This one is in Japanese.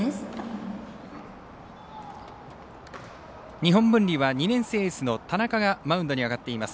日本文理は２年生エースの田中がマウンドに上がっています。